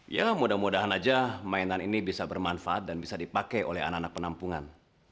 ya mudah mudahan aja mainan ini bisa bermanfaat dan bisa dipakai oleh anak anak penampungan